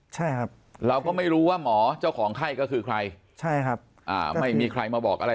ใช่ครับเราก็ไม่รู้ว่าหมอเจ้าของไข้ก็คือใครใช่ครับอ่าไม่มีใครมาบอกอะไร